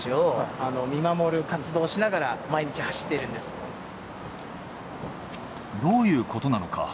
実はどういうことなのか